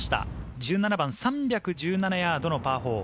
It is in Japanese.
１７番、３１７ヤードのパー４。